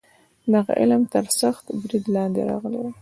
دغه علم تر سخت برید لاندې راغلی و.